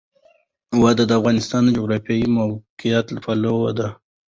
وادي د افغانستان د جغرافیایي موقیعت پایله ده.